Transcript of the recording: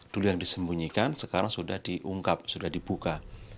dulu yang disembunyikan sekarang sudah diungkap sudah dibuka